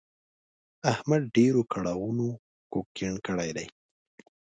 احمد ډېرو کړاوونو کوږ کیڼ کړی دی.